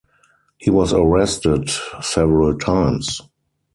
He was arrested several times.